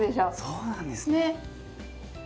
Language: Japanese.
そうなんですね！